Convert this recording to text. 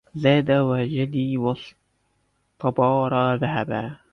زاد وجدي واصطباري ذهبا